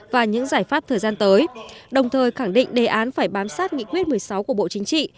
và những giải pháp thời gian tới đồng thời khẳng định đề án phải bám sát nghị quyết một mươi sáu của bộ chính trị